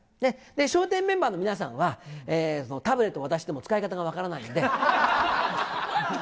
笑点メンバーの皆さんは、タブレット渡しても使い方が分からないので。